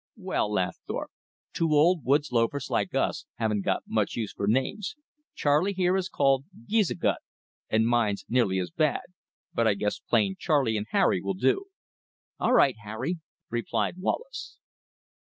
"Well," laughed Thorpe, "two old woods loafers like us haven't got much use for names. Charley here is called Geezigut, and mine's nearly as bad; but I guess plain Charley and Harry will do." "All right, Harry," replied Wallace.